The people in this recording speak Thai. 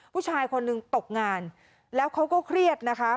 ผู้ชายคนหนึ่งตกงานแล้วเขาก็เครียดนะคะ